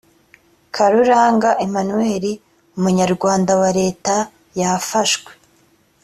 karuranga emmanuel umunyarwanda wa leta yafashwe